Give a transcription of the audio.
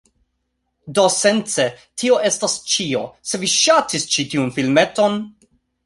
Do sence tio estas ĉio, se vi ŝatis ĉi tiun filmeton